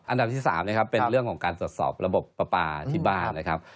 อันดับที่๓เป็นเรื่องของการสดสอบระบบปลาที่บ้านนะครับ